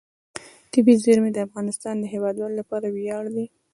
طبیعي زیرمې د افغانستان د هیوادوالو لپاره ویاړ دی.